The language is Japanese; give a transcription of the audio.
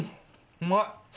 うまい。